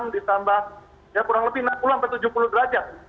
empat puluh enam ditambah ya kurang lebih enam puluh tujuh puluh derajat